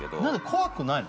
怖くないの？